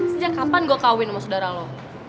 sejak kapan gue kawin sama saudara lo